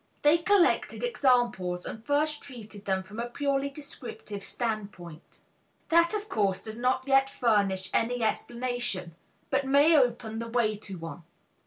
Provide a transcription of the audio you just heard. They collected examples and first treated them from a purely descriptive standpoint. That, of course, does not yet furnish any explanation, but may open the way to one.